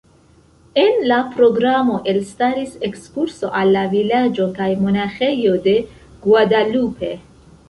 En la programo elstaris ekskurso al la vilaĝo kaj monaĥejo de Guadalupe.